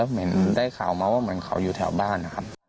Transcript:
หนึ่งได้ข่าวมาว่ามันเขาอยู่แถวบ้าน